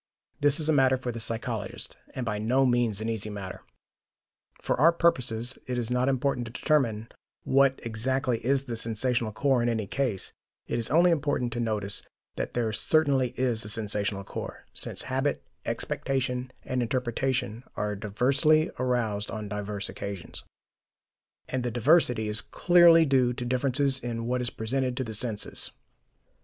This is a matter for the psychologist, and by no means an easy matter. For our purposes, it is not important to determine what exactly is the sensational core in any case; it is only important to notice that there certainly is a sensational core, since habit, expectation and interpretation are diversely aroused on diverse occasions, and the diversity is clearly due to differences in what is presented to the senses.